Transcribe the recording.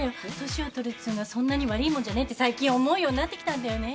年を取るっつうのはそんなに悪いもんじゃねえって最近思うようになってきたんだよね。